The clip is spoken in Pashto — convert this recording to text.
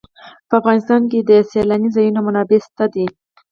په افغانستان کې د سیلاني ځایونو منابع شته دي.